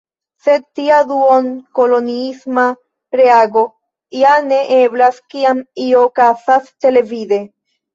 Sed tia duon-koloniisma reago ja ne eblas, kiam io okazas televide.